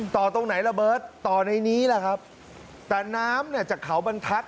ตรงไหนระเบิร์ตต่อในนี้แหละครับแต่น้ำเนี่ยจากเขาบรรทัศน